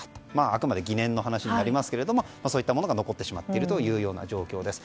あくまで疑念の話ですがそういったものが残ってしまっている状況です。